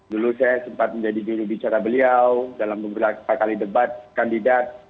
dulu saya sempat menjadi jurubicara beliau dalam beberapa kali debat kandidat